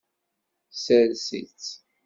Sers-itt.